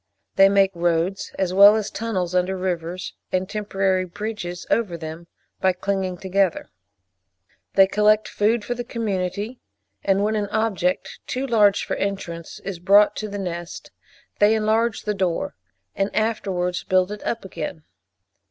They make roads as well as tunnels under rivers, and temporary bridges over them, by clinging together. They collect food for the community, and when an object, too large for entrance, is brought to the nest, they enlarge the door, and afterwards build it up again.